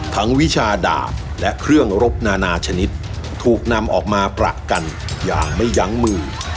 วิชาดาบและเครื่องรบนานาชนิดถูกนำออกมาประกันอย่างไม่ยั้งมือ